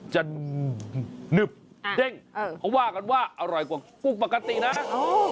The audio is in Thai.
จะหนึบเด้งเขาว่ากันว่าอร่อยกว่ากุ้งปกตินะโอ้